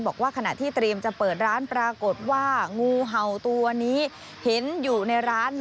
บอกว่าขณะที่เตรียมจะเปิดร้านปรากฏว่างูเห่าตัวนี้เห็นอยู่ในร้าน